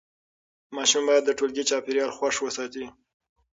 ماشوم باید د ټولګي چاپېریال خوښ وساتي.